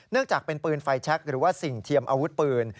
เนื่องจากเป็นปืนไฟชักหรือสิ่งเทียดอาวุธปืน